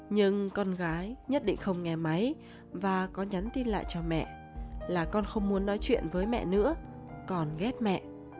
nhưng con gái nhất định không nghe máy và có nhắn tin lại cho mẹ là con không muốn nói chuyện với mẹ nữa còn ghét mẹ